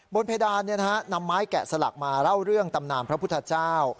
เพดานนำไม้แกะสลักมาเล่าเรื่องตำนานพระพุทธเจ้า